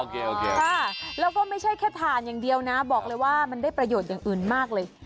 โอเคค่ะแล้วก็ไม่ใช่แค่ถ่านอย่างเดียวนะบอกเลยว่ามันได้ประโยชน์อย่างอื่นมากเลย